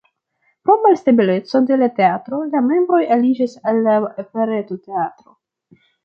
Pro malstabileco de la teatro la membroj aliĝis al la Operetoteatro.